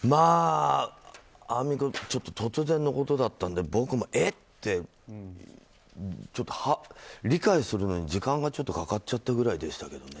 アンミカ突然のことだったので僕も理解するのに時間がちょっとかかっちゃったくらいでしたけど。